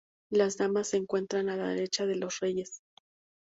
Las damas se encuentran a la derecha de los reyes.